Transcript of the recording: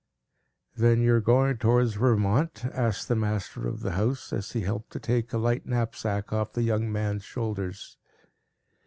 "Then you are going towards Vermont?" said the master of the house, as he helped to take a light knapsack off the young man's shoulders.